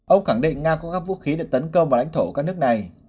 ông khẳng định nga có các vũ khí để tấn công và đánh thổ các nước này